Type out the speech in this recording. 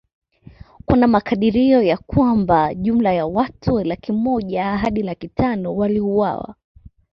Kuna makadirio ya kwamba jumla ya watu laki moja hadi laki tano waliuawa